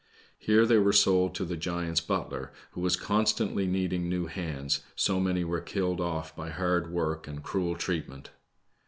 Here they were sold to, the giant's butler, who was constantly needij^g new hands, so many were killed off by hard work and cruel treatmfet.